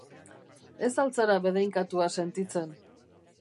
Ez al zara bedeinkatua sentitzen?